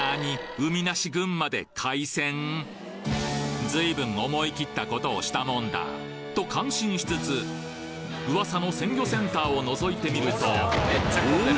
海なしずいぶん思い切ったことをしたもんだと感心しつつ噂の鮮魚センターを覗いてみるとおお！